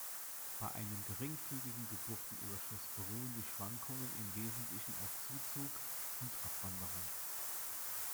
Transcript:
Bei einem geringfügigen Geburtenüberschuss beruhen die Schwankungen im Wesentlichen auf Zuzug und Abwanderung.